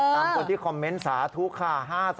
ตามคนที่คอมเมนต์สาธุค่ะ